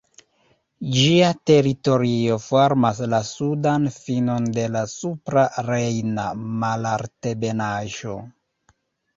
Ĝia teritorio formas la sudan finon de la Supra Rejna Malaltebenaĵo.